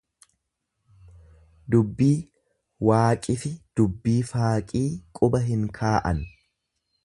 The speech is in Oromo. Dubbii waaqifi dubbii faaqii quba hin kaa'an.